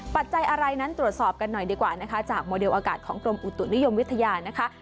ปัจจัยอะไรนั้นตรวจสอบกันหน่อยดีกว่านะคะจากโมเดลอากาศของกรมอุตุนิยมวิทยานะคะ